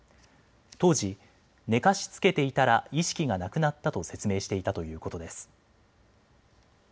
当時、寝かしつけていたら意識がなくなったと説明していたということです。